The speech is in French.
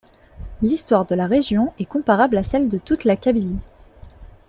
L'histoire de la région est comparable à celle de toute la Kabylie.